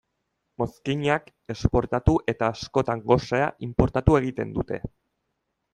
Mozkinak esportatu eta askotan gosea inportatu egiten dute.